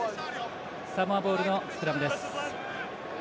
サモアボールのスクラムです。